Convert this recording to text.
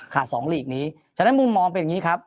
๒หลีกนี้ฉะนั้นมุมมองเป็นอย่างนี้ครับ